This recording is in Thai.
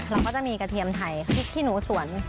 เราก็จะมีกระเทียมไทยพริกขี้หนูสวน